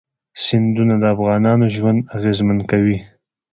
سیندونه د افغانانو ژوند اغېزمن کوي.